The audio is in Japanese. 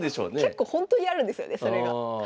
結構ほんとにあるんですよねそれが。